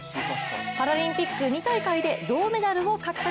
パラリンピック２大会で銅メダルを獲得。